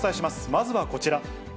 まずはこちら。